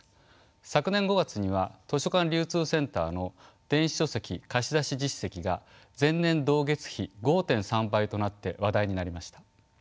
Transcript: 昨年５月には図書館流通センターの電子書籍貸し出し実績が前年同月比５．３倍となって話題になりました。